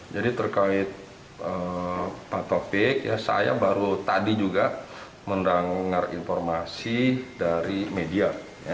jadi terkait pak taufik saya baru tadi juga mendengar informasi dari media